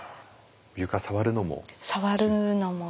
床触るのも？